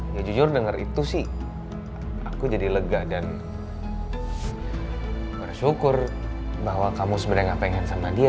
ya jujur dengar itu sih aku jadi lega dan bersyukur bahwa kamu sebenarnya gak pengen sama dia